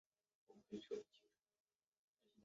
一个质量与地球相同先子星的只有一颗网球大小。